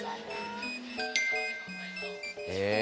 へえ。